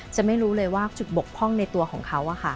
ไม่รู้เลยว่าจุดบกพร่องในตัวของเขา